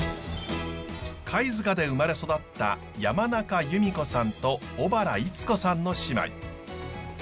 貝塚で生まれ育った山中弓子さんと小原いつ子さんの姉妹。